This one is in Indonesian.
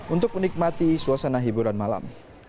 untuk menikmati suasana hiburan malam